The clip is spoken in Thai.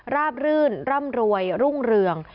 บรื่นร่ำรวยรุ่งเรือง